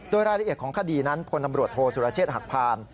โดยรายละเอียดของคดีนั้นพลตำรวจโทษสุรเชษฐหักพาน